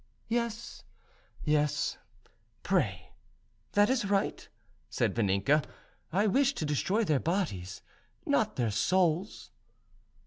"Yes, yes, pray; that is right," said Vaninka. "I wish to destroy their bodies, not their souls."